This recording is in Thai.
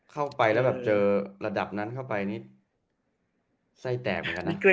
เข้าไปแล้วเจอระดับนั้นเข้าไปใส่แตก